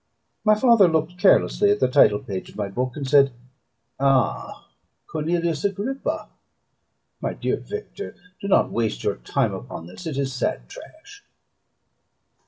My father looked carelessly at the titlepage of my book, and said, "Ah! Cornelius Agrippa! My dear Victor, do not waste your time upon this; it is sad trash."